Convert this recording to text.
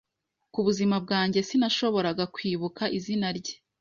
Kubuzima bwanjye, sinashoboraga kwibuka izina rye.